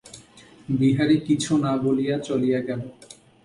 বিহারী কিছু না বলিয়া চলিয়া গেল।